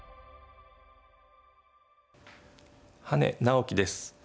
羽根直樹です。